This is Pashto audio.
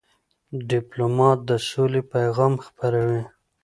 ډيپلومات د سولې پیغام خپروي.